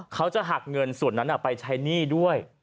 เขาจะหักเงินส่วนนั้นไปใช้หนี้ด้วย